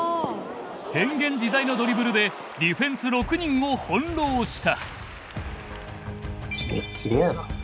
変幻自在のドリブルでディフェンス６人を翻弄した！